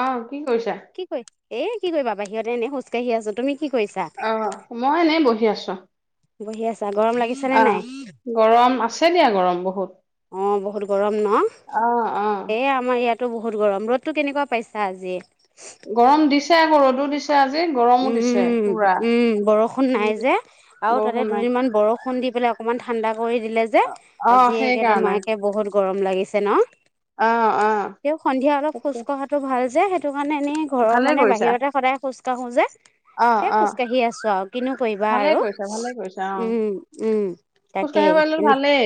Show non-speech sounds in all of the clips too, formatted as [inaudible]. অঁহ কি কৰিছা? কি কৰি এ, কি কৰিবা বাহিৰতে এনে খোজকাাঢ়ি আছো তুমি? কি কৰিছা অ' মই এনেই বহি আছো। বহি আছা, গৰম লাগিছে নে অ', নাই? গৰম আছে দিয়া গৰম বহুত। অ বহুত গৰম ন অ', অ', এই আমাৰ ইয়াত ৰ'দটো বহুত গৰম ৰ'দো কেনেকুৱা পাইছা আজি গৰম দিছে আকো ৰদো দিছে আজি গৰমো দিছে উম পুৰা। উম বৰষুণ নাই উম, যে আৰু তাতে বৰষুণ নাই। দুদিন মমান বৰষুণ দি লে অকমান ঠাণ্ডা কৰি দিলে যে অ', আজিয়কে সেইকাৰণে তোমাকে বহুত গৰম লাগিছে ন অ', অ', তেওঁ সন্ধিয়া অলপ খোজ তাকে। কঢ়াটো ভাল যে স মানে এনেই ঘৰৰ ভালে মানে কৰিছা বাহিৰতে সদায় খোজ কাঢ়ো যে অ', হে অ', খোজকাাঢ়ি আছো আৰু কিনো কৰিবা ভালে আৰু কৰিছা ভালে কৰিছা অ'। উম উম তাকে খোজকাঢ়িব পাইছে্টো এনে ভালেই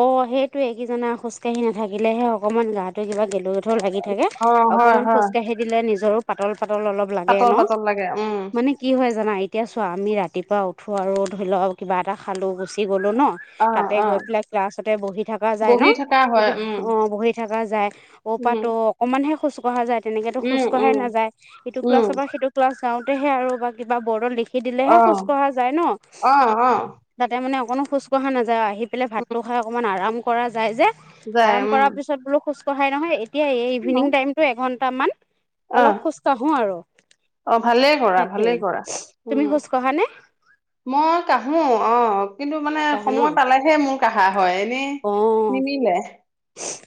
অ সেইটোৱে এইকেইজনা খোজকাঢ়ি নাথাকিলেহে অকনমান গাটো কিবা গেলু গেথু লাগি থাকে অ', হয়, অকনমান হয়, খোজ কাঢ়ি দিলে নিজৰো পাতল পাতল অলপ লাগে পাতল ন পাতল উম মানে কি জানা এতিয়া চোৱা আমি ৰাতিপুৱা উঠো আৰু ধৰি লওক কিবা এটা খালো গুচি গলো ন অ', তাতে গৈ অ', পেলাই ক্লাছতে বহি থকা যায় ন বহি থকা হয় সটো উম, অ বহি থকা যায় অ উম, পৰাটো অকনমানহে খোচ পঢ়া যায় উম, তেনেকেতোজ কঢ়াই উম, নাযায় এইটো উম, ক্লাছৰ বা পৰা সেইটো ক্লাছ যাওঁতেহে আৰু বা কিবা বৰ্ডত লিখি দিলেহে খোজ অ', কঢ়া যায় অ', ন' অ', তাতে মানে অকণো খোজ কঢ়া নাযায় আহি পেলাই ভাতো খাই অকণমান আৰাম কৰা যায় যে যায় আৰাম উম। কৰাৰ পিছত বোলো খোজ কঢ়া [unintelligible] নহয় এতিয়া এই ইভিনিং অ টাইমতটো এঘন্ট মান অলপ খোজ কঢ়ো আৰু অ ভালেই কৰা তাকে ভালেই কৰা তুমি উম খোজ কঢ়া নে মই কাহো অ কিন্তু মানে কাঢ়া ন সময় পালেহে মোৰ কাহা হয় এনেই অ নিমিলে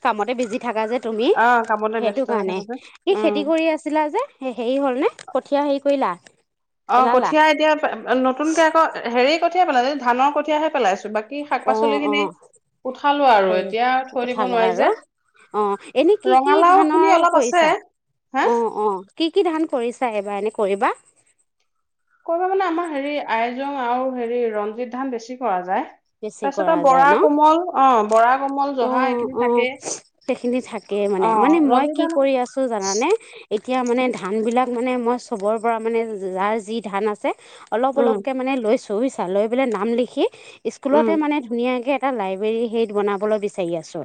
কামতে বিজি থাকা যে তুমি অ কামতে সেইটো ব্যস্ত হৈ কাৰণে থাকো যে কি উম খেতি কৰি আছিলা যে হেৰি হল নে কঠীঁয়া হেৰি কৰিলা? অ পেলালা কঠীয়া এতিয়া নতুনকে আকৌ হেৰি কঠিয়াই পেলাই ধানৰ কঠীয়াহে পেলাইছো বাকি বাকী শাক অ পাচলি অ খিনি উঠালো আৰু কৰি এতিয়া থৈ দিব উঠালা নোৱাৰি যে আৰু অ এনে কি কি ৰঙালাও খিনি ধানৰ অলপ আছে কৰিছা হা অ অ কি কি ধান কৰিছা এইবাৰ এনে কৰিবা ক মানে আমাৰ হেৰি আইজং আৰু হেৰি ৰঞ্জিত ধান বেছি কৰা যায় বেছি তাৰপিছত কৰা আৰু যায় বৰা ন কোমল অ বৰা কোমল অ জহা এইখিনি অ থাকেই সেইখিনি থাকেই অ মানে মানে মই ৰঞ্জিত কি দানা কৰি আছো জানানে এতিয়া মানে ধান বিলাক মানে মই চবৰ পৰা মানে যাৰ যি ধান আছে অলপ উম অলপকে মানে লৈছো লৈচা লৈ পেলাই নাম লিখি উম স্কুলতে মানে ধুনীয়াকে এটা লাইব্ৰেৰী হেৰিত বনাব বলৈ বিচাৰি আছো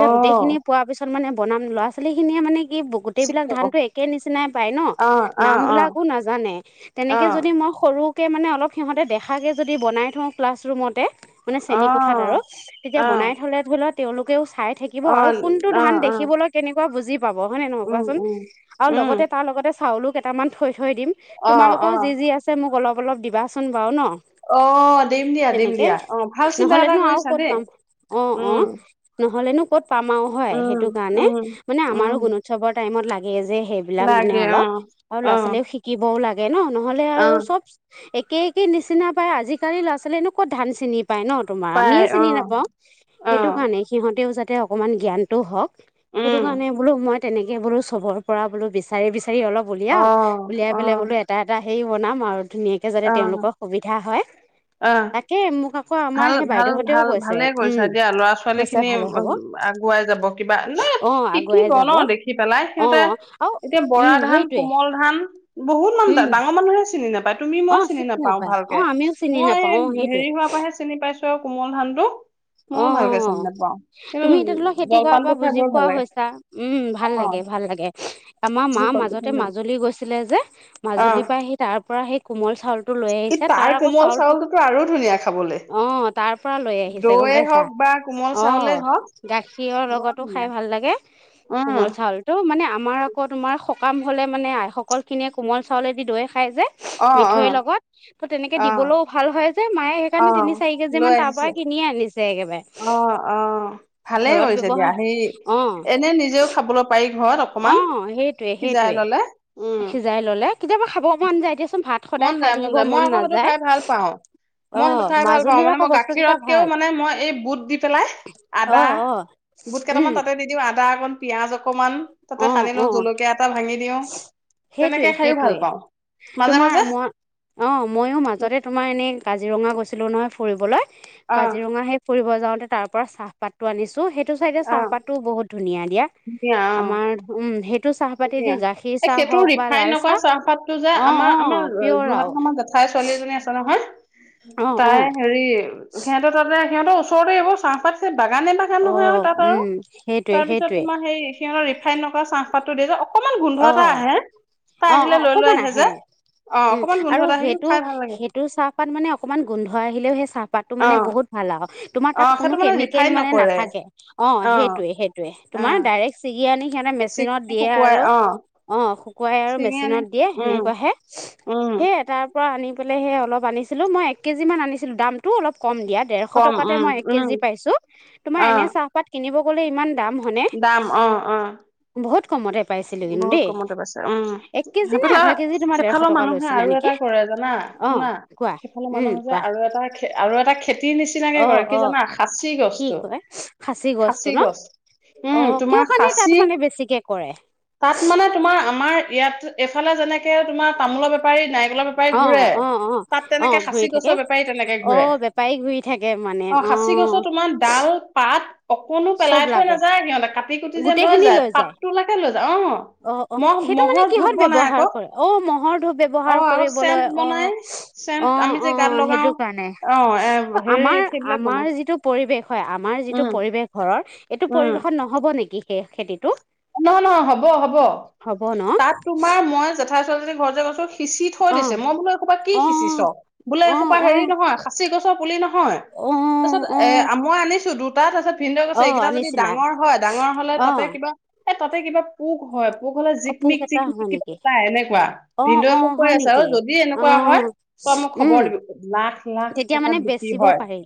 অ গোটেইখিনি পোৱাৰ পিছত মানে বনাম ল'ৰা ছোৱালীখিনিয়ে মানে কি চিক গোটেইবলাক আকৌ ধানতো একে নিচিনাই পাই ন অ অ নাম অ বিলাকো নাজানে অ তেনেকে যদি মই সৰু তে মানে অলপ সিহঁতে দেখাকৈ যদি বনাই থওঁ ক্লাছৰুমতে মানে অ চেনী কোঠাত আৰু তেতিয়া অ বনাই থ'লে তেওঁলোকেও চাই থাকিব অ আৰু কোনটো অ ধান অ দেখিবলৈ কেনেকুৱা বুজিব পাব হয় নে নহয় উম কোৱাচোন উম আৰু উম লগতে তাৰ লগতে চাউলো কেইটামান থৈ থৈ দিম অ অ তোমালোকেও যি যি আছে মোক অলপ অলপ দিবাচোন বাৰু ন আহ দিম দিয়া দিম তেনেকৈ দিয়া অ ভাল চিন্তা এটা নহ'লেনো আৰু কৰিছা ক'ত দেই পাম অঁ অঁ উম নহলেনো ক'ত পামাও হয় উম সেইটো কাৰণে উম মানে আমাৰো উম গুণোৎসৱৰ টাইমত লাগে যে সেইবিলাক মানে লাগে অ অলপ আৰু অ ল'ৰা ছোৱালীও শিকিবও লাগে ন নহলে অ আৰু চব কে কি নিচিনা পাই আজিকালি ল'ৰা ছোৱালীয়েনো ক'ত ধান চিনি পায় ন তোমাৰ পাই আমিয়ে অ চিনি নাপাওঁ অ সেইটো কাৰণে সিহঁতেও যাতে অকমান জ্ঞানতটো হওঁক সেইটো উম কাৰণে বোলো মই তেনেকে বোলো চবৰ পৰা বোলো বিচাৰি বিচাৰি অলপ অ উলিয়াও উলিয়াই অ পেলাই বোলো এটা এটা হেৰি বনাম আৰু ধুনীয়াকে যাতে অ তেওঁলোকৰ সুবিধা হয় অ তাকে মোক কৌ আমাৰ ভাল সেই ভাল বাইদেউহঁতেও ভাল কৈছে। ভালে কৰিছা উম দিয়া ল'ৰা ছোৱালী কৈছে খিনি ভালে হব উম, আগুৱাই যাব কিবা নাই অ আগুৱাই শিকিব ন যাব দেখি পেলাই অ সিহঁতে আৰু উম সেইটোৱে। বহুতান উম ডাঙৰা মানুহে চিনি নাপায়। তুমি অ মই চিনি নাপাওঁ নাপায় অ ভালকে আমিও চিনি মই নাপাওঁ অ সেইটোৱে হেৰি হোৱাৰ পৰা হে। চিনি পাইছো আৰু কোমল ধান টো। অ', তুমি এতিয়া ধলও খেতি কৰাৰ জলপানটো পৰা খাই বুজি বৰ ভাল পোৱা লাগে হৈছা উম অ ভাল লাগে। ভাল লাগে আমাৰ মা জলপানটো মাজতে ভাল লাগে মাজুলী গৈছিলে যে, অ মাজুলীৰ পৰা সি তাৰ পৰা সি কোমল চাউলটো লৈ ই আহিছে তাৰ আকৌ কোমল চাউলটো চাউলটোতো আৰু ধুনীয়া খাবলে অ তাৰ পৰা লৈ আহিছে। ছে গম দৈয়ে পাইছা হওক বা কোমল অহ চাউলে হওক গাখীৰৰ বৰ লগতো খাই ধুনীয়া ভাল লাগে। উম কোমল চাউল তো মানে আমাৰ আকৌ তোমাৰ সকাম হলে মানে আই সকল খিনিয়ে কোমল চাউলেদি দৈ খাই যে অ অ মিঠৈৰ লগত, ত' তেনেকে অ', দিবলৈও ভাল হয়। মায়ে সেই কাৰণে অ', তিনি চাৰি কেজি মান তাৰ পৰাই আহ অ', ভালেই ঘৰত কৰিছে দিয়া ব্যৱহাৰ সেই অ এনে নিজেও খাবলৈ পাৰি ঘৰত অ অকমান সেইটোৱে সিজাই সেইটোৱে ললে উম সিজাই ললে কেতিয়াবা খাব মনা যায় দিয়াচোন ভাত। মন সদায় খাই যায় মন থাকিব যায় মই আকৌ সেইটো নাযায় খাই ভাল পাওঁ। অ মই সেইটো খাই ভাল পাওঁ মাজুলীৰ মানে আকৌ মই বস্তু কেইটা গাখীৰতকেও ভাল মানে মই এই বুট দি পেলাই অ আদা। অ বুট কেইটামান উম তাতে দিওঁ আদা অকণ পিয়াঁজ অক অকমান তাতে অ সানি অ লওঁ জলকীয়া এটা ভাঙি দিওঁ। সেইটোৱে তেনেকে খাইও ভাল সেইটোৱে পাওঁ মাজে তোমাৰ মাজে। মই অ', ময়ো মাজতে তোমাৰ এনেই কাজিৰঙা গৈছিলোঁ নহয় ফুৰিবলৈ। অ', কাজিৰঙা সেই ফুৰিব যাওঁতে তাৰ পৰা চাহপাতটো আনিছো। সেইটো চাইডে চাহপাতো বহুত ধুনীয়া। দিয়া এয়া। আমাৰ উম সেই। ধুন এই সেইটো ৰিফাইন লাল নক চাহ চাহপাতটো যে অ আমাৰ অ আমাৰ পিয়ৰ যোৰহাট আৰু আৰ জেঠাই ছোৱালীজনী আছে নহয়? অ অ তাই হেৰি সিহঁতেৰ তাতে সিহঁতৰ ওচৰতে চাহপাত সি বাগানে বাগান অ নহয় আৰু তাত আৰু উম সেইটোৱে তাৰপিছত সেইটোৱে তোমাৰ সেই সিহঁতৰ ৰিফাইন ন চাহপাতটো দিয়ে নহয়। অকমান গোন্ধ অ এটা আহে তটা অ অ আহিলে লৈ লৈ অকমান আহে যে। অ উম অকমান গোন্ধ আৰু এটা আহে কিন্তু সেইটো খাই ভাল লাগে সেইটো চাহপাত মানে অকমান গোন্ধ আহিলেও সেই চাহপাতটো অ মানে বহুত। [unintelligible] তোমাৰ অ তাত কোনো সেইটো মানে কেমিকেল ৰিফাইন মানে নকৰে নাথাকে অ সেইটোয়ে সেইটোয়ে অ তোমাৰ ডাইৰেক কি আনি সিহঁতে মেচিনত ছিঙি দিয়ে শুকুৱাই আৰু। অ অ', শুকুৱাই আৰু ছিঙি আনি মেচিনত দিয়ে উম সেনেকুৱাহে উম সেইয় তাৰ পৰা আনি পালে সে অলপ আনিছিলোঁ মই এক কেজিমান আনিছিলোঁ দামটো অলপ কম দিয়া দেৰশ কম টকাতে উম মই এক উম কেজি পাইছোঁ তোমাৰ অ এনে চাহপাত কিনিব গ'লে ইমান। দাম হয়নে, দাম অ অ বহুত কমতে পাইছিলোঁ কিন্তু বহুত দেই কমতে পাইছে উম এক কেজি নে সেইফিলা আধা কেজি তোমাৰ ডেৰশ সেইফালৰ টকা মানুহে লৈছিলে আৰু নেকি এটা কৰে জানা। অ শুনা কোৱা সেইফালে উম মানুহ যে কোৱা আৰু এটা আৰু এটা খেতিৰ নিচিনা। চিনাকে অ কৰে কি অ জানা সাঁচি কি গছটো কয় খাচী গছটো সাঁচি ন গছ। অ উম কিয় তোমাৰ কাৰণে তাত খাচী মানে বেছিকে কৰে তাত মানে তোমাৰ আমাৰ ইয়াত এফালে যেনেকে তোমাৰ তামোলৰ বেপাৰী নাই। বেপাৰী অ ঘ অ অ তাত অ তেনেকে সাচি ঘূৰি থাকে গছৰ বেপাৰী তেনেকে ঘ অ বেপাৰী ঘূৰি থাকে মানে অ'। সাঁচি গছৰ তোমাৰ ডাল পাত অকনো চব পেলাই থৈ লাগে নাযায় সিহঁতে ক কাটি কুটি যে লৈ যায় পাতটোলৈকে লৈ যা অ', অ অ মহ সেইটো মানে মহৰ ধূপ কিহত বনাই আকৌ ব্যৱহাৰ কৰে অ মহৰ ধূপ অ ব্যৱহাৰ আৰু কৰিবলৈ চেণ্ট অ। বনাই চেণ্ট অ', আমি যে গাত অ', লগাও সেইটো কাৰণে অ এ হেৰি আমাৰ সেইবিলাক বনাই আমাৰ যিটো পৰিৱেশ হয় আমাৰ যিটো উম পৰিৱেশ ঘৰৰ এইটো উম পৰিৱেশত নহ'ব নেকি সেই খেতিটো। নহয় নহয় হ'ব হ'ব হ'ব ন তাত তোমাৰ মই জেঠাই ছোৱালী যদি ঘৰ যে গৈছোঁ। সিঁচি থৈ অ দিছে মই বো এইসোপা কি অ সিঁচিছ বোলে অ এইসোপা অ হেৰি নহয় খাচি গছৰ পুলি নহয়। হয় অ তাৰপিছত অ এ মই আনিছো দুটা তাৰছত ভিন্দ কৈছে অ এইকেইটা যদি আনিছিলা ডাঙৰ হয় ডাঙৰ হলে অ তাতে কিবা এ তাতে কিবা পোক হয়। মোক কলে অ পোক জিকমিক এটা জিকমিক হয় কিবা নেকি এটা এনেকুৱা অ ভিনদৌৱে অ মোক কৈ হয় আছে আৰু নেকি যদি অ এনেকুৱা হয় তই মোক খবৰ উম দিবি লা তেতিয়া মানে বেচিব পাৰি।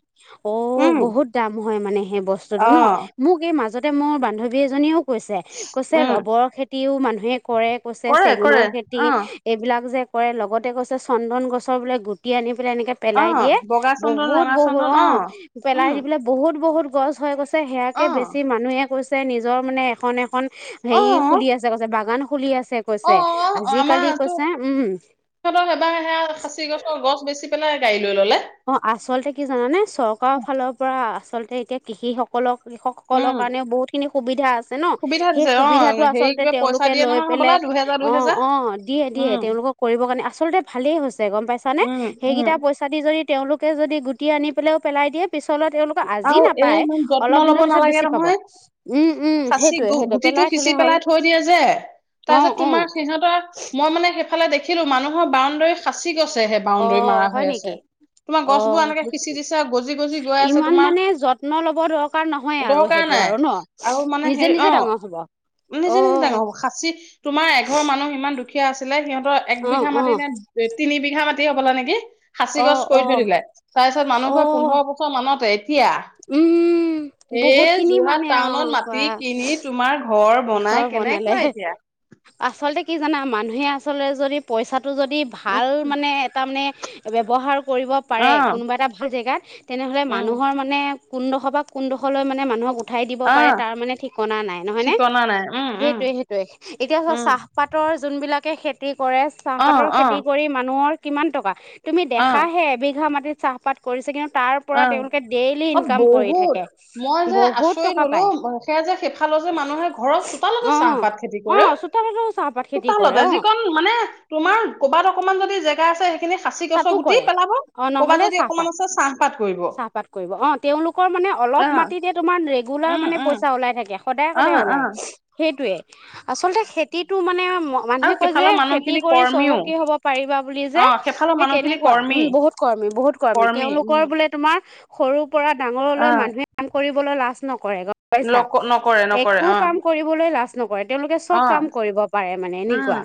অহ, উম বহুত দাম হয় মানে সেই বস্তুতটো অ ন, মোক এই মাজতে মোৰ বান্ধৱী এজনীয়েও কৈছে কৈছে উম ৰবৰৰ খেতিও মানুহে কৰে কৈছে কৰে কৰে চেগুনৰ খেতি অ এইবিলাক যে কৰে লগতে কৈছে চন্দন গছৰ বোলে গুটি আনি পেলাই এনেক অ পেলাই দিয়ে। বগা চন্দন বহুত ৰঙা বহুত চন্দন অ অহ, পেলাই উম দি পেলাই বহুত বহুত গছ হৈ গৈছে সেয়াকে অ বেছি মানুহে কৈছে নিজৰ মানে এখনে এখন অ হেৰি খুলি আছে কৈছে বাগান খুলি আছে। [unintelligible] অ কৈছে আজিকালি কৈছে, উম। সিহঁতক এবাৰ সেয়া খাচি গছৰ গছ বেছি পেলাই গাড়ীত অ আচলতে কি জানানে চৰকাৰৰ ফালৰ পৰা আচলতে এতিয়া কৃষি সকলক উম কৃষকসকলৰ কাৰণেও বহুতখিনি সুবিধা আছ আছে ন, সুবিধা সেই দিছে অ সুবিধাটো হেৰি আচলতে কিবা পইচা তেওঁলোকে দিয়ে লৈ নহয় পেলে, হ'বলা দুহেজাৰ অ', দুহেজাৰ অ' দিয়ে দিয়ে উম তেওঁলোকৰ কৰিব কাৰণে আচলতে ভালেই হৈছে গম পাইছা নে উম উম সেইকেইটা পইচা দি যদি তেওঁলোকে যদি গুটি আনি পেলাইও পেলাই দিয়ে পিছলৈ তেওঁলোকক আজি আৰু এয়া নাপাই, ইমান যত্ন অলপ লব দিনৰ পিছত নালাগে বেছি পাব। নহয় উম, উম, সেইটোয়ে, সেইটোৱেই। টো সিচি পেলাই থৈ দিয়ে যে। অ তাৰপিছত অ তোমাৰ সিহঁতৰ, মই মানে সেইফালে দেখি ছিলো মানুহৰ বাউন্দৰী সাঁচি গছ ছে সে অ বাউণ্ডৰী মাৰা হয় হৈ আছে, নেকি তোমাৰ অ গছ বোৰ এনেকে সিঁচি দিছে গজি গজি গৈ আছে। ইমান তোমাৰ মানে যত্ন লব দৰকাৰ নহয় আৰু দৰকাৰ সেইটো নাই আৰু ন। আৰু মানে নিজে হেৰি নিজে অ ডাঙৰ হ'ব। অ নিজে নিজে ডাঙৰ হ'ব খাচী তোমাৰ এঘৰ মানুহ ইমান দু দুখীয়া আছিলে সিহঁতৰ এক অ বিঘা অ মাটি নে তিনি বিঘা মাটি হ'বলা নেকি। সাঁচি অ গছ অ কৰি থৈ দিল। তাৰপিছত অ মানুহঘৰ পোন্ধৰ বছৰ মানতে এতিয়া উম বহুত এই খিনি যোৰহাট মানে অ টাউনত বা মাটি কিনি তোমাৰ ঘৰ বনাই ঘৰ বনালে কেনেকুৱা এতিয়া আচলতে কি জানা মানুহে আচলতে যদি পইচা টো যদি উম ভাল মানে এটা মানে ব্যৱহাৰ কৰিব অ পাৰে কোনোবা এটা ভাল জেগাত তেনেহ'লে উম মানুহৰ মানে কোনডোখৰ পৰা কোনডোখৰলৈ মানে মানুহক উঠাই দিব অ পাৰে তাৰ মানে ঠিকনা নাই নহয়নে? ঠিকনা নাই উম উম সেইটোয়ে - সেইটোয়ে এতিয়া চোৱা উম চাহপাতৰ যোনবিলাকে খেতি কৰে অ চাহপাতৰ অ খেতি কৰি মানুহৰ কিমান টকা তুমি অ দেখা হে এবিঘা মাটিত চাহপাত কৰিছে কিন্তু তাৰ পৰা অ তেওঁলোকে ডেইলি - অ ইনকাম কৰি বহুত থাকে মই যে বহুত আচৰিত টকা হলো পায় সেয়া যে সিফাল যে মানুহে ঘ ঘৰৰ চোতালতে অ চাহপাত খেতি অ কৰে চোতালতো চাহপাত খেতি কৰে চোতালতে অ যিকন মানে তোমাৰ ক'বাত অকণমান যদি জেগা আছে সেইখিনি খাচি গছৰ তাতো গুটি কৰে পেলাব অ ক'বাত নহ'লে যদি চাহপাত অকণমান আছে চাহ চাহপাত কৰিব অ, তেওলোকৰ মানে অলপ আহ মাটিতে তোমাৰ ৰেগুলাৰ উম মানে উম পইচা ওলাই থাকে। সদায় আহ সদায় ওলায়। আহ সেইটোৱে আচলতে খেতিটো মানে ম আৰু মানুহে কয় যে সেইফালৰ খেতি মানুহখিনি কৰি কৰ্মীও চহকী হব পাৰি। বুলি যে অ সেইফালৰ সেই মানুহখিনি তেনেকুৱা কৰ্মী উম বহুত কৰ্মী বহুত কৰ্মী তেওঁলোকৰ বোলে তোমাৰ সৰু পৰা ডাঙৰলৈ আহ মানুহে কাম কৰিবলৈ লাজ নকৰে গম পাইছা। লক নকৰে নকৰে একো অ কাম কৰিবলৈ লাজ নকৰে তেওঁলোকে চব অ কাম কৰিব পাৰে মানে উম এনেকুৱা।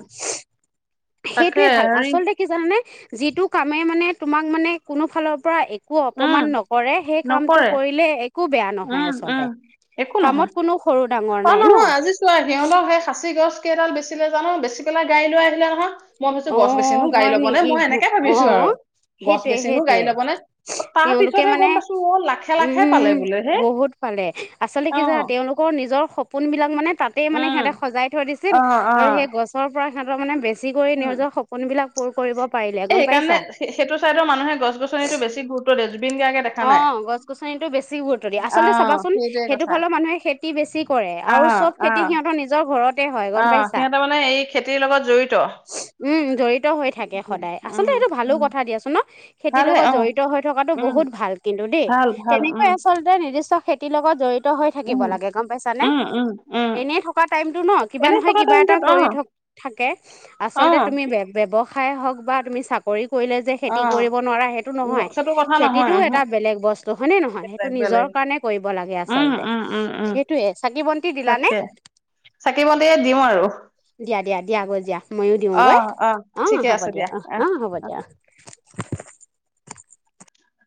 তাকে সেইটোয়ে ভাল হেৰি আচলতে কি জানানে? যিটো কামে মানে তোমাক মানে কোনো ফালৰ পৰা একো উম অপমান নকৰে সেই কামটো নকৰে কৰিলে একো বেয়া নহয় উম আচলতে। উম একো নহয় কামত কোনো সৰু ডাঙৰ অ, নাই ন নহয় আজি চোৱা সিহতক সেই খাচী গছ কেইডাল বেচিলে জানো বেচি পেলাই গাই লৈ আহিলে নহয়। মই ভাবিছো অ গছ বেচিনো গাড়ী ল'বনে মই এনেকে ভাবিছো আৰু। গছ সেইটোৱেই বেচিনো গাড়ী সেইটোৱেই, ল'বনে অ, তাৰ তেওঁলোকে পিছতহে মানে গম পাইছো অ লাখে লাখে পালে উম বোলে হে বহুত পালে আচলতে অ কি জানা তেওঁলোক- নিজৰ সপোন বিলাক মানে তাতেই মানে সিহঁতে উম সজাই থৈ দিছিল অ অ আৰু সেই গছৰ পৰা সিহঁতৰ মানে বেছি বেছি কৰি নিজৰ সপোনবিলাক পূৰ কৰিব। পাৰিলে এ গম পাইছা সেইকাৰণে সেইটো চাইডৰ মানুহে গছ- গছনিতো বেছি গুৰুত্ব দিয় য অ', গছ গছনিতো বেছি গুৰুত্ব দিয়ে অ আচলতে চাবাচোন সেইটোৱে সেইটো কথা ফালৰ মানুহে খেতি বেছি কৰে। অ আৰু চব অ খেতি সিহঁতৰ নিজৰ ঘৰত অ', সিহঁতৰ মানে এই খেতিৰ লগত জড়িত উম জড়িত হৈ থাকে উম সদায় আচলতে উম সেইটো ভালো উম কথা দিয়াছো ন খেতিৰ ভালহে লগত অ জড়িত হৈ থকাতটো উম বহুত ভাল কিন্তু দেই ভাল ভাল তেনেকৈ উম আচলতে নিৰ্দিষ্ট খেতিৰ লগত জড়িত। হৈ থাকিব উম লাগে গম পাইছ নে? উম, উম, উম, এনেই থকা টাইমতটো ন কিবা এনে নহয় থকা কিবা এটা টাইমটোত কৰি অ', থ থাকে, আচলতে অ', তুমি ব ব্যৱহাৰ খাই হওঁক বা তুমি চাকৰি কৰিলে যে খেতি অ', কৰিব নোৱাৰা সেইটো নহয় ন- সেইটো কথা নহয় টো উহু, এটা বেলেগ বস্তু হয়নে নহয় সেইটো বেলেগ নিজৰ বেলেগ কাৰণে কৰিব লাগে। উম, আচলতে উম, উম, উম, সেইটোৱে বন্তি দিলা নে! তাকে চাকি বন্তিয়ে দিওঁ আৰু দিয়া, দিয়া, দিয়া গৈ দিয়া মই ও দিওঁগৈ অ', অ', অঁ ঠিকে হ'ব আছে দিয়া অঁ অ'। অঁ হ'ব দিয়া অঁ' [inaudible]